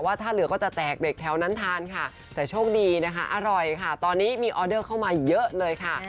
ถ้าเหลือก็จะแจกเด็กแถวนั้นทานค่ะแต่โชคดีนะคะอร่อยค่ะตอนนี้มีออเดอร์เข้ามาเยอะเลยค่ะ